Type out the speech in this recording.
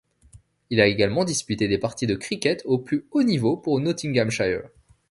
Il a également disputé des parties de cricket au plus haut niveau pour Nottinghamshire.